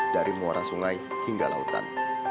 dari muara sungai hingga lautan